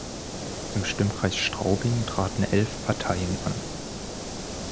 Im Stimmkreis Straubing traten elf Parteien an.